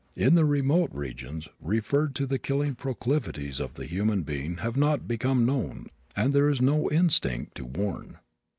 In the remote regions referred to the killing proclivities of the human being have not become known and there is no "instinct" to warn.